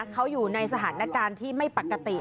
เขาอยู่ในสถานการณ์ที่ไม่ปกติ